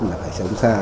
là phải sống xa